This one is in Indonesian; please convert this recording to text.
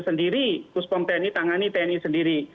sendiri puspom tni tangani tni sendiri